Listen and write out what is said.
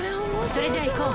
それじゃ行こう。